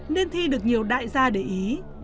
nên thi được nhiều đại gia để ý